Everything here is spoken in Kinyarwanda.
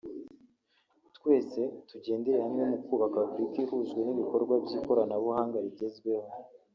twese tugendere hamwe mu kubaka Afurika ihujwe n’ibikorwa by’ikoranabuhanga rigezweho